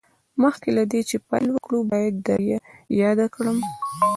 مخکې له دې چې پیل وکړو باید در یاده کړم